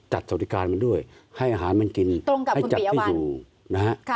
สวัสดิการมันด้วยให้อาหารมันกินให้จัดที่อยู่นะฮะ